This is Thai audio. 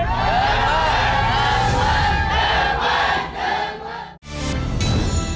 โปรดติดตามตอนต่อไป